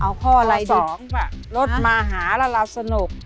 เอาข้ออะไรดีกว่าอ้าวข้อสองค่ะรถมะหาละละสนุก